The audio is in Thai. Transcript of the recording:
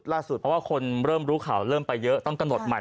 ล่าสุดเพราะว่าคนเริ่มรู้ข่าวเริ่มไปเยอะต้องกำหนดใหม่